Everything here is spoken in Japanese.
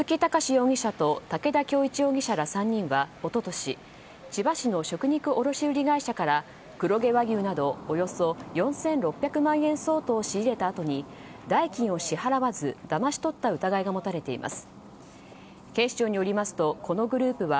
容疑者と武田恭一容疑者ら３人は一昨年千葉市の食肉卸売会社から黒毛和牛などおよそ４６００万円相当を仕入れたあとに代金を支払わず、だまし取った疑いが持たれています。